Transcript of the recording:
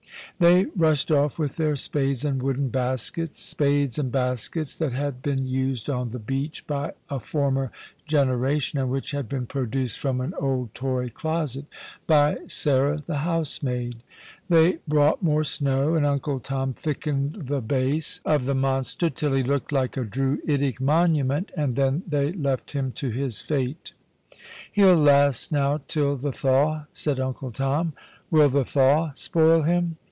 They ruslied off with their spades and wooden baskets — spades and baskets that had been used on the beach by a former generation, and which had been produced from an old toy closet by Sarah, the housemaid. They brought more snow, and Uncle Tom thickened the base •»SP<« THE THAW — DEATH OF THE SNUW 31AN. The Christmas Hirelings. 169 of the monster till he looked like a Druidic monument, and then they left him to his fate. " He'll last now till the thaw," said Uncle Tom. " Will the thaw spoil him